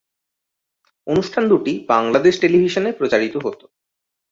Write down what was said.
অনুষ্ঠান দুটি বাংলাদেশ টেলিভিশনে প্রচারিত হত।